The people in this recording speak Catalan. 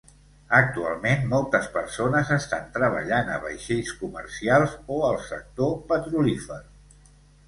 Actualment moltes persones estan treballant a vaixells comercials o el sector petrolífer.